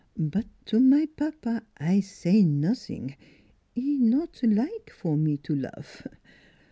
But to my papa I say nos sing. He not like for me to lofe."